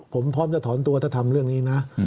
ผมพร้อมจะถอนตัวถ้าทำเรื่องนี้นะ